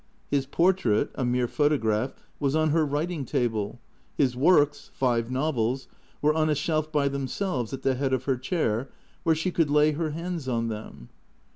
His portrait (a mere photograph) was on her writing table. His " Works "— five novels — were on a shelf by themselves at the head of her chair, where she could lay her hands on them.